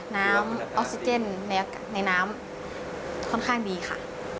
น้ำออกซิเจนในน้ำค่อนข้างดีค่ะ